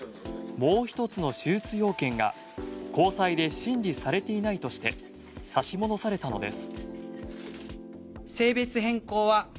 もう一つの手術要件が高裁で審理されていないとして差し戻されたのです。